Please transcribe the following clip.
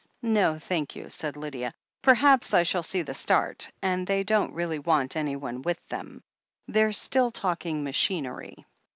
"No, thank you," said Lydia. "Perhaps I shall see the start, and they don't really want anyone with them. They're still talking machinery."